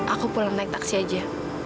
aku pulang naik taksi aja